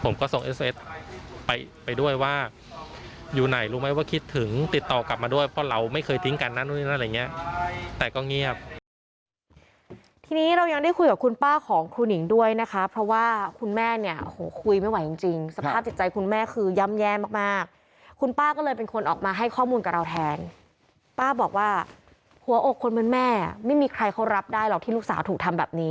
ไม่ว่าคิดถึงติดต่อกลับมาด้วยเพราะเราไม่เคยทิ้งกันนั่นนู่นนี่นั่นอะไรอย่างเงี้ยแต่ก็เงียบทีนี้เรายังได้คุยกับคุณป้าของครูหนิงด้วยนะคะเพราะว่าคุณแม่เนี่ยคุยไม่ไหวจริงสภาพจิตใจคุณแม่คือย้ำแย่มากคุณป้าก็เลยเป็นคนออกมาให้ข้อมูลกับเราแทนป้าบอกว่าหัวอกคนเหมือนแม่ไม่มีใครเขารับได้หรอกท